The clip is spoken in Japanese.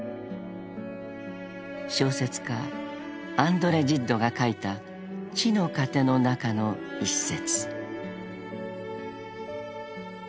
［小説家アンドレ・ジッドが書いた『地の糧』の中の一節］